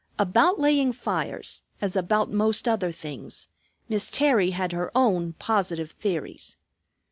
About laying fires, as about most other things, Miss Terry had her own positive theories.